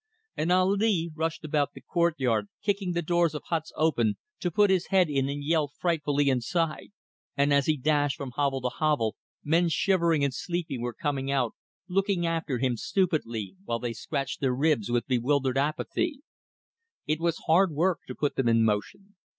And Ali rushed about the courtyard kicking the doors of huts open to put his head in and yell frightfully inside; and as he dashed from hovel to hovel, men shivering and sleepy were coming out, looking after him stupidly, while they scratched their ribs with bewildered apathy. It was hard work to put them in motion.